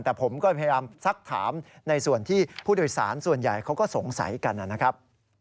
แต่ผมก็พยายามสักถามในส่วนที่ผู้โดยสารส่วนใหญ่เขาก็สงสัยกันนะครับ